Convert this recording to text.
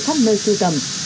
khắp nơi sưu tầm